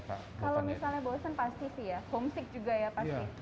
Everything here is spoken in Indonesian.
kalau misalnya bosen pasti sih ya homesick juga ya pasti